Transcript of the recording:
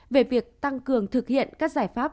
về việc tăng cường thực hiện các giải pháp